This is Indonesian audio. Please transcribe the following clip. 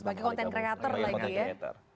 sebagai content creator lah ya